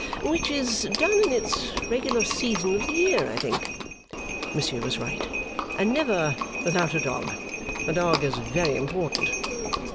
'Which is done in its regular season of the year, I think?' Monsieur was right. 'And never without a dog. The dog is very important.